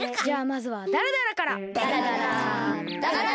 じゃあまずはだらだらから！